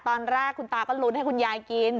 ตอนแรกคุณตาก็ลุ้นให้คุณยายกิน